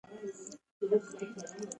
واوره د افغانستان د هیوادوالو لپاره ویاړ دی.